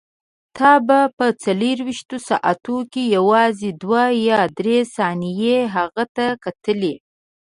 ته به په څلورویشتو ساعتو کې یوازې دوه یا درې ثانیې هغه ته کتلې.